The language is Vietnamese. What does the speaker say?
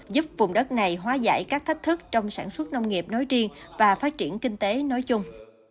giúp vùng đất này hóa giải các thách thức trong sản xuất nông nghiệp nói riêng và phát triển kinh tế nói chung